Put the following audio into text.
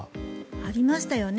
ありましたよね